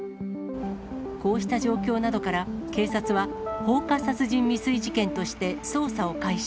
こうした状況などから、警察は、放火殺人未遂事件として捜査を開始。